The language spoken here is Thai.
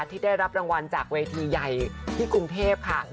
ที่ได้รับรางวัลจากเวทีใหญ่ที่กรุงเทพค่ะ